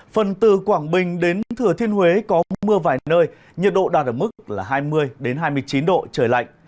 phần từ quảng bình đến thừa thiên huế có mưa vài nơi nhiệt độ đạt ở mức là hai mươi hai mươi chín độ trời lạnh